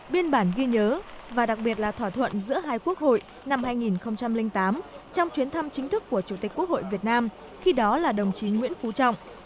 biên bản ghi nhớ và đặc biệt là thỏa thuận giữa hai quốc hội năm hai nghìn tám trong chuyến thăm chính thức của chủ tịch quốc hội việt nam khi đó là đồng chí nguyễn phú trọng